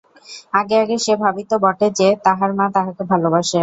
আগে আগে সে ভাবিত বটে যে, তাহার মা তাহাকে ভালোবাসে।